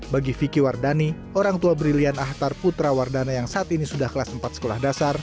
bagi vicky wardani orang tua brilian ahtar putra wardana yang saat ini sudah kelas empat sekolah dasar